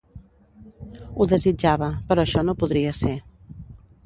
Ho desitjava, però això no podria ser.